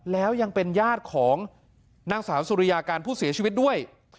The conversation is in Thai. แล้วยังเป็นญาติของนางสาวสุริยาการผู้เสียชีวิตด้วย